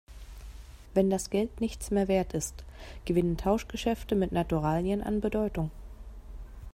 Wenn das Geld nichts mehr Wert ist, gewinnen Tauschgeschäfte mit Naturalien an Bedeutung.